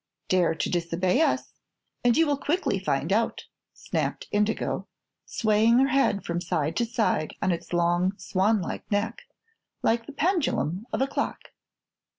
"Dare to disobey us and you will quickly find out," snapped Indigo, swaying her head from side to side on its long, swan like neck, like the pendulum of a clock.